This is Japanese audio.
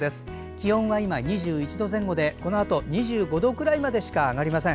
気温は今、２１度前後でこのあと、２５度くらいまでしか上がりません。